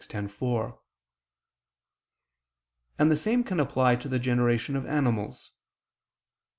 x, 4); and the same can apply to the generation of animals.